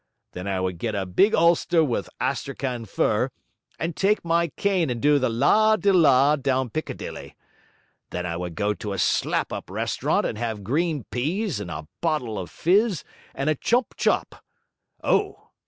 Then I would get a big ulster with astrakhan fur, and take my cane and do the la de la down Piccadilly. Then I would go to a slap up restaurant, and have green peas, and a bottle of fizz, and a chump chop Oh!